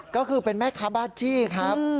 ก็คือเป็นแม่ค้าบาจี้ครับ